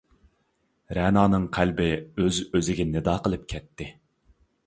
رەنانىڭ قەلبى ئۆز-ئۆزىگە نىدا قىلىپ كەتتى.